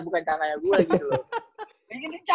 bukan tanya gue gitu loh